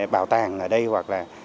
bảo tàng ở đây hoặc là